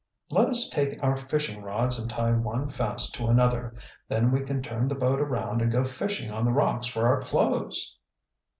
"Let us take our fishing rods and tie one fast to another. Then we can turn the boat around and go fishing on the rocks for our clothes."